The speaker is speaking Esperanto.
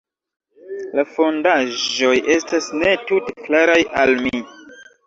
La fondaĵoj estas ne tute klaraj al mi.